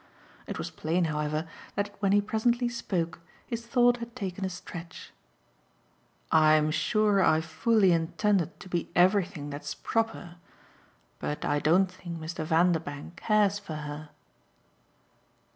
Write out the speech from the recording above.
It was plain, however, that when he presently spoke his thought had taken a stretch. "I'm sure I've fully intended to be everything that's proper. But I don't think Mr. Vanderbank cares for her."